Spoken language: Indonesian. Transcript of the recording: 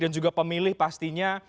dan juga pemilih pastinya